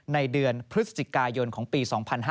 ในเดือนพฤศจิกายนของปี๒๕๕๙